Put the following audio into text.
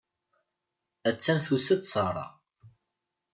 Attan tusa-d Sarah.